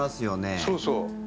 そうそう。